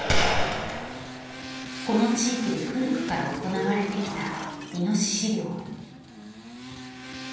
この地域で古くから行われてきたイノシシ猟。